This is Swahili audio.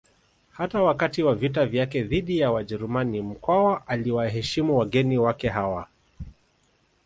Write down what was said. Hata wakati wa vita vyake dhidi ya Wajerumani Mkwawa aliwaheshimu wageni wake hawa